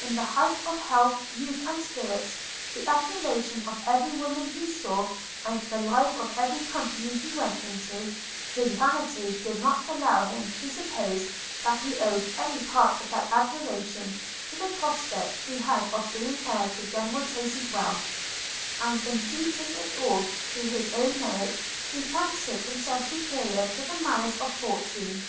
In the height of health, youth, and spirits, the admiration of every woman he saw, and the life of every company he went into, his vanity did not allow him to suppose that he owed any part of that admiration to the prospect he had of being heir to General Tracy's wealth; and, imputing it all to his own merit, he fancied himself superior to the malice of fortune.